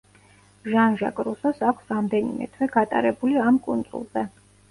ჟან-ჟაკ რუსოს აქვს რამდენიმე თვე გატარებული ამ კუნძულზე.